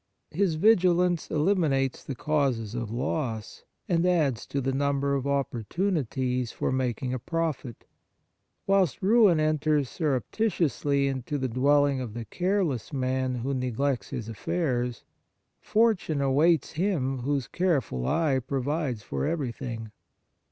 His vigilance eliminates the causes of loss, and adds to the number of opportunities for making a profit. Whilst ruin enters surreptitiously into the dwelling of the careless man who neglects his affairs, fortune awaits him whose careful eye pro vides for everything.